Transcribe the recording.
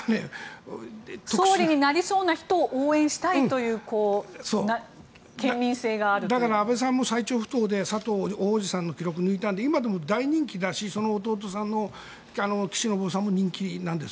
総理になりたい人を応援したいという安倍さんも最長不倒で佐藤大叔父さんの記録を抜いたのででも今大人気だしその弟さんの岸信夫さんも人気なんです。